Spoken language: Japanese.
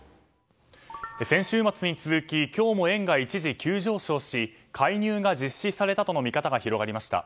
先週末に続き今日も円が一時急上昇し介入が実施されたとの見方が広まりました。